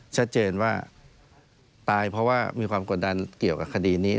ชัดเจนว่าตายเพราะว่ามีความกดดันเกี่ยวกับคดีนี้